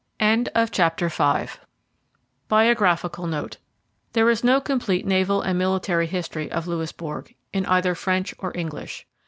BIBLIOGRAPHICAL NOTE There is no complete naval and military history of Louisbourg, in either French or English.